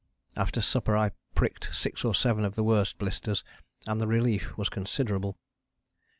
After supper I pricked six or seven of the worst blisters, and the relief was considerable.